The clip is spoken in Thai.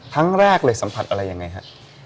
ครั้งแรกเลยสัมผัสอะไรยังไงฮะ